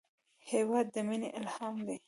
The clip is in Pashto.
هېواد د مینې الهام دی.